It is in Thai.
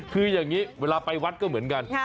คืออย่างนี้เวลาไปวัดก็เหมือนกัน